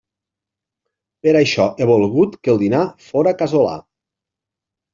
Per això he volgut que el dinar fóra casolà.